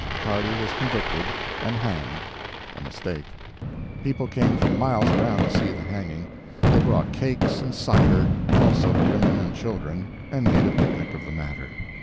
Hardy was convicted, and hanged—a mistake. People came from miles around to see the hanging; they brought cakes and cider, also the women and children, and made a picnic of the matter.